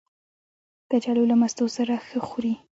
کچالو له مستو سره ښه خوري